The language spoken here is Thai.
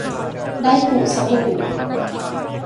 ได้ถูสบู่